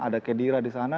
ada khedira di sana